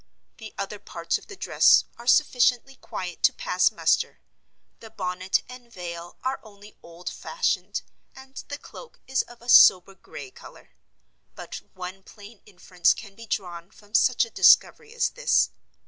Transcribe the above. The other parts of the dress are sufficiently quiet to pass muster; the bonnet and veil are only old fashioned, and the cloak is of a sober gray color. But one plain inference can be drawn from such a discovery as this.